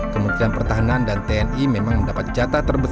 kementerian pertahanan dan tni memang mendapat jatah